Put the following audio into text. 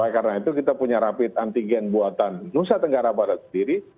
karena itu kita punya rapid antigen buatan nusa tenggara barat sendiri